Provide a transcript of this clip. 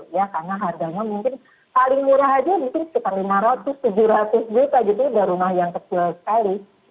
karena harganya mungkin paling murah aja mungkin sekitar lima ratus tujuh ratus juta gitu ya rumah yang kecil sekali